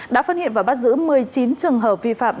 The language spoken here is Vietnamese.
đã phát hiện và bắt giữ một mươi chín trường hợp vi phạm